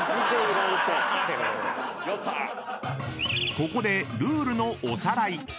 ［ここでルールのおさらい］